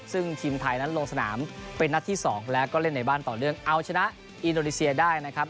ซึ่งทีมไทยนั้นลงสนามเป็นนัดที่๒แล้วก็เล่นในบ้านต่อเนื่องเอาชนะอินโดนีเซียได้นะครับ